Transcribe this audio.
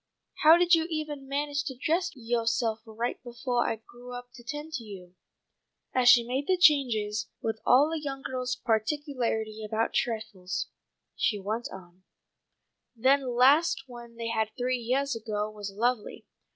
How did you evah manage to dress yoahself right befoah I grew up to tend to you?" As she made the changes with all a young girl's particularity about trifles, she went on, "That last one they had three yeahs ago was lovely.